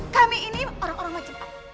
kami ini orang orang macam apa